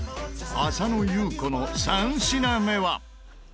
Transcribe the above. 浅野ゆう子の３品目は。